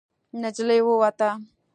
نجلۍ ووته.